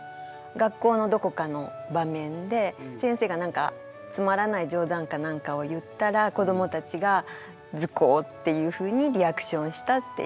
学校のどこかの場面で先生が何かつまらない冗談か何かを言ったら子どもたちが「ズコー」っていうふうにリアクションしたっていう。